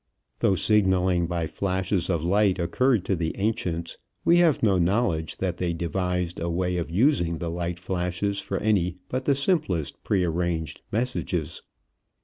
Though signaling by flashes of light occurred to the ancients, we have no knowledge that they devised a way of using the light flashes for any but the simplest prearranged messages.